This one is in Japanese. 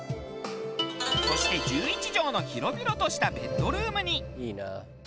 そして１１畳の広々としたベッドルームに。